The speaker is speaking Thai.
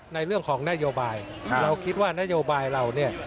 ในเรื่องของนโยบายเราคิดว่านโยบายเราเนี่ย